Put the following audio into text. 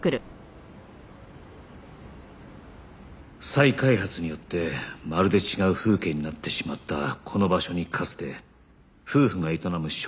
再開発によってまるで違う風景になってしまったこの場所にかつて夫婦が営む食堂はあった